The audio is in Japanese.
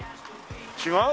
違う？